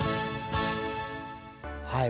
はい。